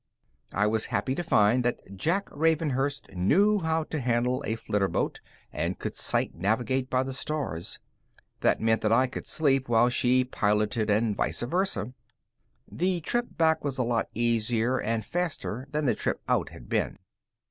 I was happy to find that Jack Ravenhurst knew how to handle a flitterboat and could sight navigate by the stars. That meant that I could sleep while she piloted and vice versa. The trip back was a lot easier and faster than the trip out had been.